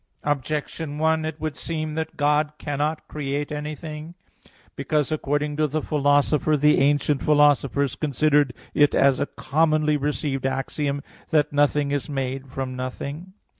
Objection 1: It would seem that God cannot create anything, because, according to the Philosopher (Phys. i, text 34), the ancient philosophers considered it as a commonly received axiom that "nothing is made from nothing."